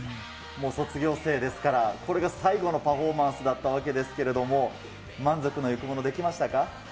もう卒業生ですから、これが最後のパフォーマンスだったわけですけれども、満足のいくもの、できましたか。